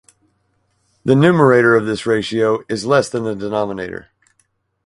The numerator of this ratio is less than the denominator.